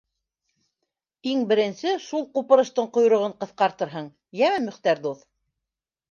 Иң беренсе шул ҡупырыштың ҡойроғон ҡыҫҡартырһың, йәме, Мөхтәр дуҫ!